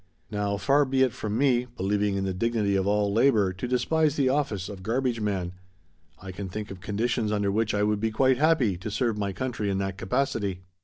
Now, far be it from me, believing in the dignity of all labor, to despise the office of garbage man. I can think of conditions under which I would be quite happy to serve my country in that capacity.